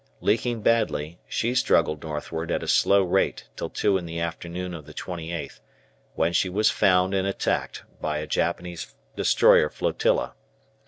Leaking badly, she struggled northward at a slow rate till two in the afternoon of the 28th, when she was found and attacked by a Japanese destroyer flotilla.